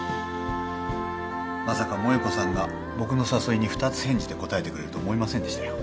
まさか萠子さんが僕の誘いに二つ返事で応えてくれると思いませんでしたよ。